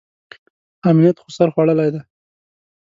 امنیت خو سر خوړلی دی.